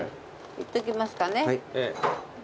いっときますかね。